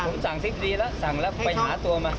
ผมสั่งซิกดีแล้วสั่งแล้วไปหาตัวมา